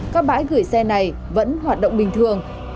các bãi gửi xe này vẫn hoạt động bình thường